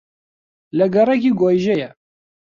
لە گەڕەکی گۆیژەیە